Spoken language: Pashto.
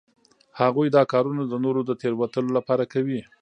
هغوی دا کارونه د نورو د تیروتلو لپاره کوي